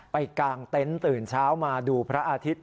กลางเต็นต์ตื่นเช้ามาดูพระอาทิตย์